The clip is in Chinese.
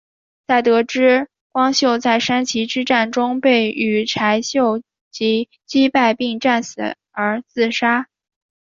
在得知光秀在山崎之战中被羽柴秀吉击败并战死后自杀。